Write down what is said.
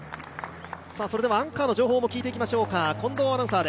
アンカーの情報も聞いていきましょうか。